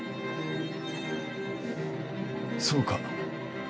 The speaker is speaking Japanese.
そうか。